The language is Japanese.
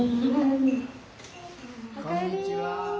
こんにちは。